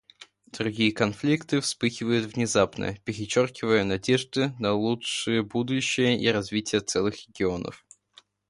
Другие конфликты вспыхивают внезапно, перечеркивая надежды на лучшее будущее и развитие целых регионов.